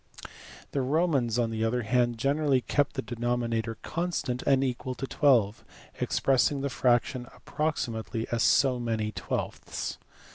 The Romans, on the other hand, generally kept the denominator constant and equal to twelve, expressing the fraction (approxi mately) as so many twelfths.